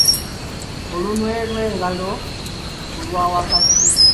Olunwe lwe lugalo olwa wakati.